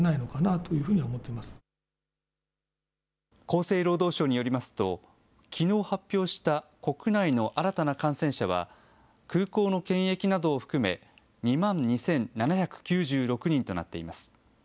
厚生労働省によりますと、きのう発表した国内の新たな感染者は、空港の検疫などを含め、２万２７９６人となっています。